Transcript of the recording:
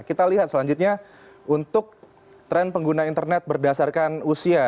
kita lihat selanjutnya untuk tren pengguna internet berdasarkan usia